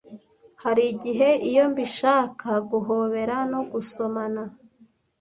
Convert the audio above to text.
hari igihe, iyo mbishaka, guhobera, no gusomana;